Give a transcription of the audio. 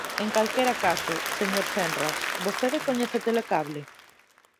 En calquera caso, señor Senras, ¿vostede coñece Telecable?